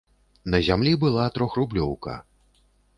На зямлі была трохрублёўка.